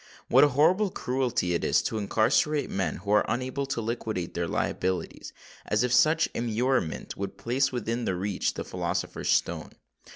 What a horrible cruelty it is to incarcerate men who are unable to liquidate their liabilities—as if such immurement would place within their reach the philosopher's stone.